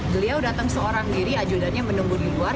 beliau datang seorang diri ajudannya menunggu di luar